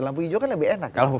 lampu hijau kan lebih enak